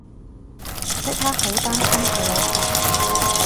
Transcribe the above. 即刻好擔心佢老婆